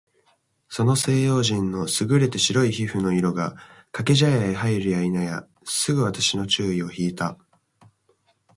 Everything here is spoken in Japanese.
その西洋人の優れて白い皮膚の色が、掛茶屋へ入るや否いなや、すぐ私の注意を惹（ひ）いた。